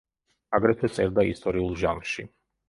აგრეთვე წერდა ისტორიულ ჟანრში.